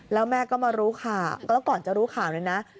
แล้วแม่ก็มารู้ข่าวแล้วก่อนจะรู้ข่าวเนี่ยนะ